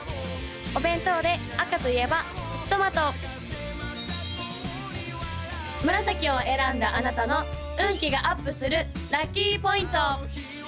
お弁当で赤といえばプチトマト紫を選んだあなたの運気がアップするラッキーポイント！